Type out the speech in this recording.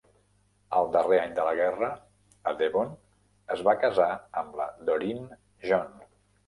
El darrer any de la guerra, a Devon, es va casar amb la Doreen John.